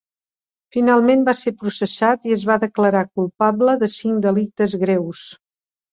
Finalment va ser processat i es va declarar culpable de cinc delictes greus.